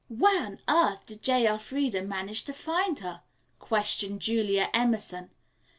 "Where on earth did J. Elfreda manage to find her?" questioned Julia Emerson.